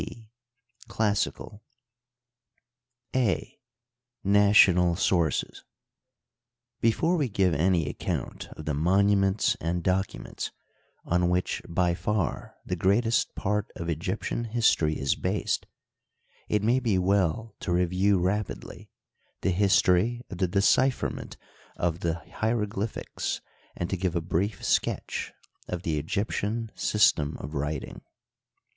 Classical, a. National Sources. — Before we give any ac count of the monuments and documents on which by far the greatest part of Egyptian history is based, it may be well to review rapidly the history of the decipherment of Digitized byCjOOQlC INTRODUCTORY. 13 the hieroglyphics and to give a brief sketch of the Egyp tion system of writing.